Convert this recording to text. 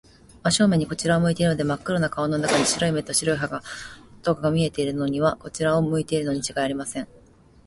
真正面にこちらを向いているのです。まっ黒な顔の中に、白い目と白い歯とが見えるからには、こちらを向いているのにちがいありません。